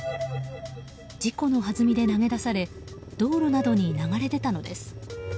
事故のはずみで投げ出され道路などに流れ出たのです。